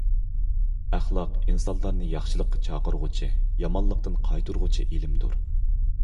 ئەخلاق ئىنسانلارنى ياخشىلىققا چاقىرغۇچى، يامانلىقتىن قايتۇرغۇچى ئىلىمدۇر.